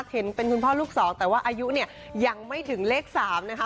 เห็นเป็นคุณพ่อลูกสองแต่ว่าอายุเนี่ยยังไม่ถึงเลข๓นะคะ